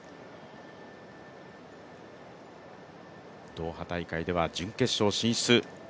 ドーハ大会では準決勝進出。